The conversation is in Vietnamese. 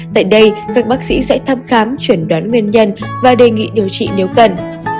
tại đây các bác sĩ sẽ thăm khám chuẩn đoán nguyên nhân và đề nghị điều trị nếu cần